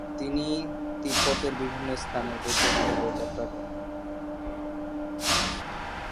তিনি তিব্বতের বিভিন্ন স্থানের বৌদ্ধবিহারে যাত্রা করেন।